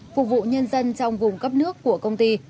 phục vụ nhân dân trong vùng cấp nước của công ty